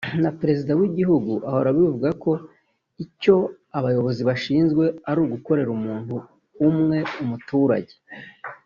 na Perezida w’igihugu ahora abivuga ko icyo abayobozi bashinzwe ari ugukorera umuntu umwe [umuturage]